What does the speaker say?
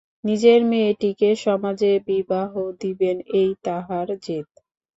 নিজের মেয়েটিকে সমাজে বিবাহ দিবেন এই তাঁহার জেদ।